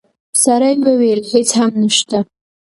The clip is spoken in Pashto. سړی وویل: هیڅ هم نشته.